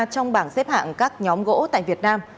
trong bảng xếp hạng các nhóm gỗ tại việt nam